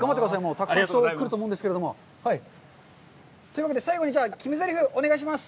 たくさん人が来ると思うんですけれども。というわけで、最後に決めぜりふ、お願いします。